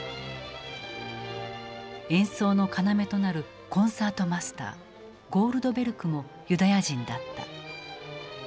演奏の要となるコンサートマスターゴールドベルクもユダヤ人だった。